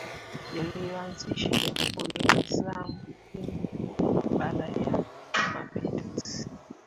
yaliyoanzisha Jamhuri ya Kiislamu Kipindi kifupi baada ya mapinduzi